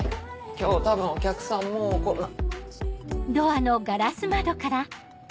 今日多分お客さんもう来な。